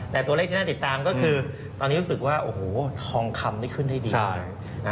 แต่ตัวเลขที่น่าติดตามก็คือตอนนี้รู้สึกว่าโอ้โหทองคำนี่ขึ้นได้ดี